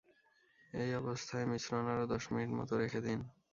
এই অবস্থায় মিশ্রণ আরও দশ মিনিট মতো রেখে দিন।